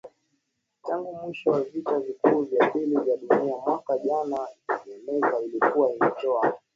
tangu mwisho wa vita vikuu vya pili vya Dunia Mwaka jana Jamaica ilikuwa imetoa